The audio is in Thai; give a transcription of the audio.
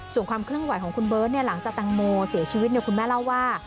ส่วนความเคลื่อนไหวของคุณเบิร์ตหลังจากแตงโมเสียชีวิตคุณแม่เล่าว่า